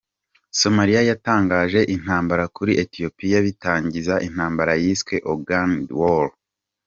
Somalia yatangaje intambara kuri Ethiopia, bitangiza intambara yiswe Ogaden War.